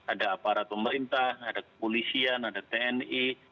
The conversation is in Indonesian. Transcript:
ada aparat pemerintah ada kepolisian ada tni